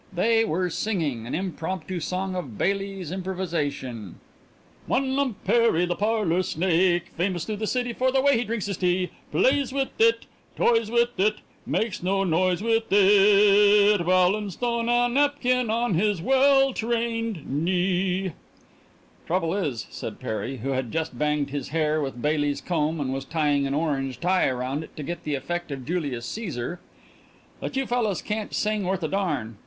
They were singing an impromptu song of Baily's improvisation: "_One Lump Perry, the parlor snake, Famous through the city for the way he drinks his tea; Plays with it, toys with it Makes no noise with it, Balanced on a napkin on his well trained knee _" "Trouble is," said Perry, who had just banged his hair with Baily's comb and was tying an orange tie round it to get the effect of Julius Caesar, "that you fellas can't sing worth a damn.